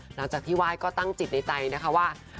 หลังจากที่ไหว้ก็ตั้งจิตในใจนะคะว่า